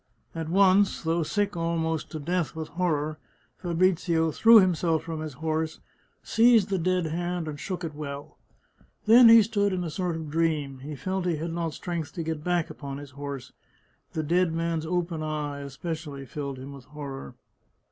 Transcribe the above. At once, though sick almost to death with horror, Fa brizio threw himself from his horse, seized the dead hand and shook it well. Then he stood in a sort of dream ; he felt he had not strength to get back upon his horse; the dead man's open eye, especially, filled him with horror.